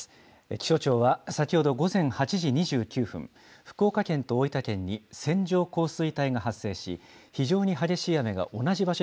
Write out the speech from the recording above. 気象庁は先ほど午前８時２５分、福岡県と大分県に線状降水帯が発生し、非常に激しい雨が同じ場所